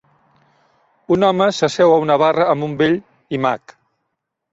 Un home s'asseu a una barra amb un vell iMac.